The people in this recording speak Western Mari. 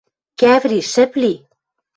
— Кӓври, шӹп ли.